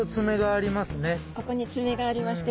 ここに爪がありまして。